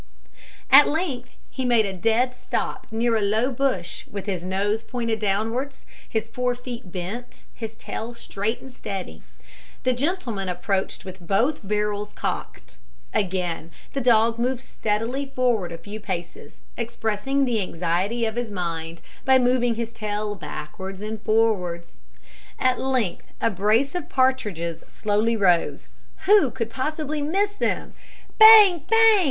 At length he made a dead stop near a low bush, with his nose pointed downwards, his fore feet bent, his tail straight and steady. The gentleman approached with both barrels cocked. Again the dog moved steadily forward a few paces, expressing the anxiety of his mind by moving his tail backwards and forwards. At length a brace of partridges slowly rose. Who could possibly miss them! Bang! bang!